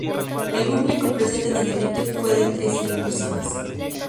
El público presente en el evento fue de tres mil personas.